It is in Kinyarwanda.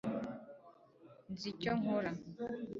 nzi icyo nkora